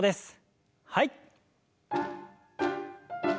はい。